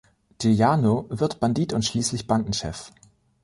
Giuliano wird Bandit und schließlich Bandenchef.